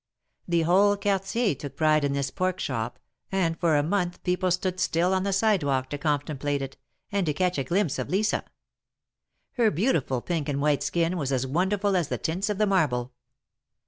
The whole Quartier took pride in this pork shop, and for a month people stood still on the sidewalk to contem plate it, and to catch a glimpse of Lisa. Her beautiful pink and white skin was as wonderful as the tints of the marble.